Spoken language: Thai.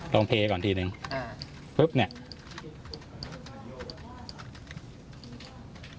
ลองเพลก่อนทีหนึ่งปุ๊บเนี่ย